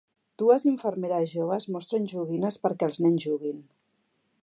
Dues infermeres joves mostren joguines perquè els nens juguin.